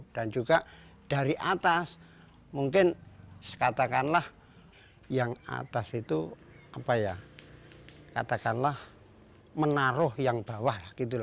dan juga dari atas mungkin katakanlah yang atas itu katakanlah menaruh yang bawah